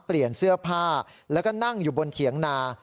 เปลี่ยนเสื้อผ้าแล้วก็นั่งอยู่บนเถียงนา